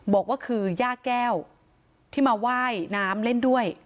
บอกว่าคือย่าแก้วที่มาว่ายน้ำเล่นด้วย